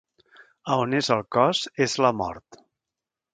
A on és el cos és la mort.